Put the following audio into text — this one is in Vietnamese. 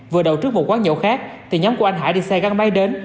vừa đầu trước một quán nhậu khác thì nhóm của anh hải đi xe gắn máy đến